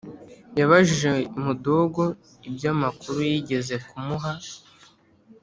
yabajije mudogo ibyamakuru yigeze kumuha